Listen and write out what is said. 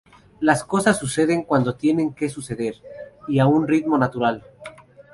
Las cosas suceden cuando tienen que suceder y a un ritmo natural.